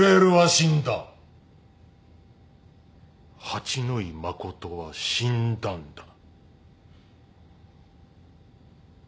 八野衣真は死んだんだ。